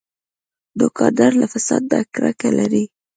دوکاندار له فساد نه کرکه لري.